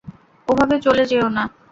ওভাবে চলে যেও না।